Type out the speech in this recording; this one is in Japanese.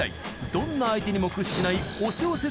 どんな相手にも屈しない押せ押せ